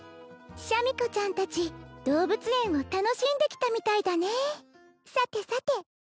シャミ子ちゃん達動物園を楽しんできたみたいだねさてさて